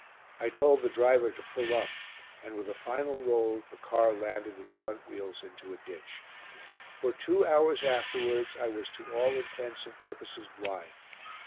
I told the driver to pull up, and with a final roll the car landed its front wheels into a ditch. For two hours afterwards I was to all intents and purposes blind.